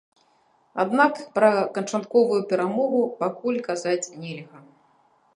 Аднак пра канчатковую перамогу пакуль казаць нельга.